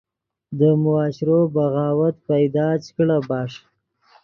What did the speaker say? دے معاشرے بغاوت پیدا چے کڑا بݰ